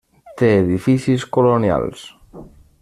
Té edificis colonials.